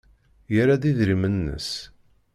Yerra-d idrimen-nnes.